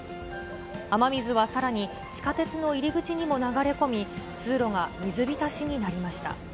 雨水はさらに、地下鉄の入り口にも流れ込み、通路が水浸しになりました。